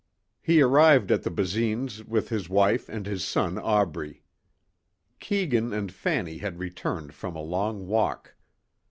He arrived at the Basines' with his wife and his son Aubrey. Keegan and Fanny had returned from a long walk.